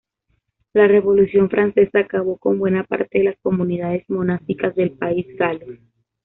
La Revolución francesa acabó con buena parte de las comunidades monásticas del país galo.